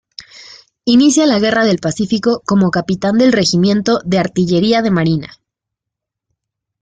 Inicia la Guerra del Pacífico como Capitán del Regimiento de Artillería de Marina.